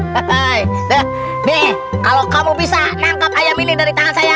hai hai hai kalau kamu bisa nangkap ayam ini dari tangan saya